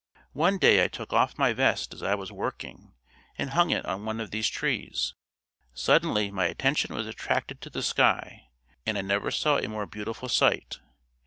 One day I took off my vest as I was working and hung it on one of these trees. Suddenly my attention was attracted to the sky and I never saw a more beautiful sight.